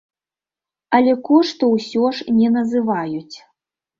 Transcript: Але кошту ўсё ж не называюць.